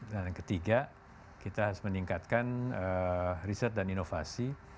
dan ketiga kita harus meningkatkan riset dan inovasi